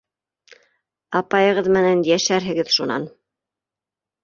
Апайығыҙ менән йәшәрһегеҙ шунан.